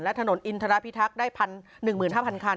และถนนอินทรพิทักษ์ได้๑๕๐๐คัน